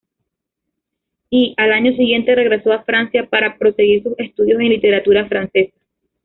Y, al año siguiente regresó a Francia para proseguir sus estudios en literatura francesa.